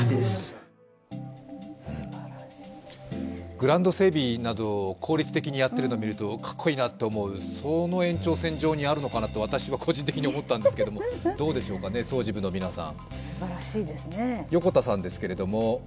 グラウンド整備など、効率的にやっているのを見るとかっこいいなと思う、その延長線上にあるのかなと私は個人的に思ったんですけれども、どうでしょうかね、掃除部の皆さん。